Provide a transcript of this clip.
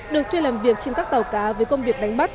được thuê làm việc trên các tàu cá với công việc đánh bắt